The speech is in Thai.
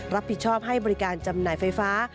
รับผิดชอบให้บริการจำหน่ายไฟฟ้า